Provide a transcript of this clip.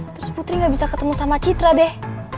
terus putri gak bisa ketemu sama citra deh